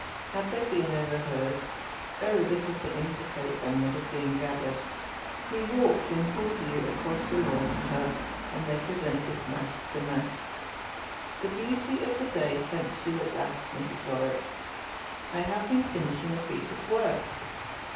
Had they been overheard, very little to implicate them would have been gathered. He walked in full view across the lawn to her, and they presented mask to mask. 'The beauty of the day tempts you at last, Mrs. Warwick.' 'I have been finishing a piece of work.'